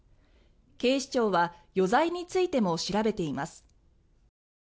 警視庁は余罪についても調べています。